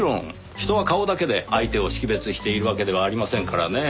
人は顔だけで相手を識別しているわけではありませんからねぇ。